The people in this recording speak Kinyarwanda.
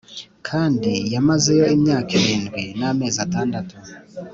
Kandi yamazeyo imyaka irindwi n amezi atandatu